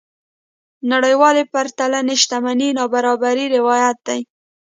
نړيوالې پرتلنې شتمنۍ نابرابرۍ روايت دي.